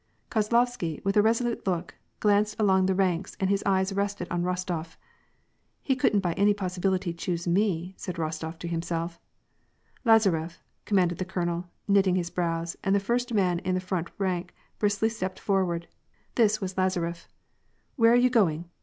Kozlovsky, with a resolute look, glanced along the rankb, and his eyes rested on Eostof. " He couldn't by any possibility choose me ?" said Eostof to himself. '^ Lazaref," commanded the colonel, knitting his brows, and the first man in the front rank briskly stepped forward This was Lazaref. " Where are you going ?